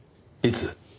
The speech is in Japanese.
いつ？